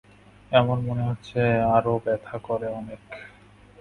এমন মনে হচ্ছে আর ব্যথাও করে অনেক।